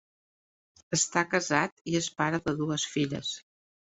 Està casat i és pare de dues filles.